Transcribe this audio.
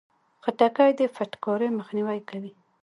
خټکی د فټکاري مخنیوی کوي.